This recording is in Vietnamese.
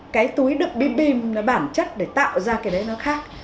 cái túi được bim bim bản chất để tạo ra cái đấy nó khác